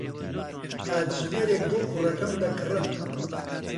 کاتژمێرێک بۆ کوڕەکەم دەکڕم.